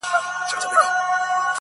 زه لکه نغمه درسره ورک سمه،